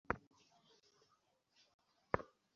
সঞ্জু এক মাস ধরে, এক স্বর্ণের দোকান থেকে আরেক দোকানে ঘুরেছে!